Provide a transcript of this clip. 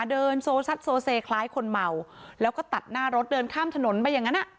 เดินโซซัดโซเซคล้ายคนเมาแล้วก็ตัดหน้ารถเดินข้ามถนนไปอย่างนั้นอ่ะ